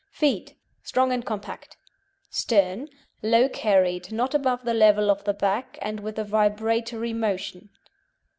FEET Strong and compact. STERN Low carried, not above the level of the back, and with a vibratory motion.